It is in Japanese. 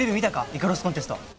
イカロスコンテスト。